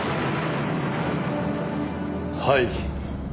はい。